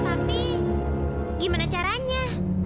tapi bagaimana caranya